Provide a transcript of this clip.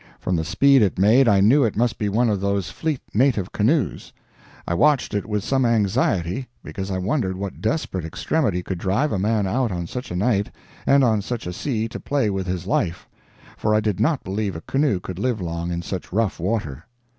From the speed it made I knew it must be one of those fleet native canoes. I watched it with some anxiety, because I wondered what desperate extremity could drive a man out on such a night and on such a sea to play with his life—for I did not believe a canoe could live long in such rough water.